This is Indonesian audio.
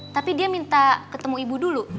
tapi dia minta ketemu ibu dulu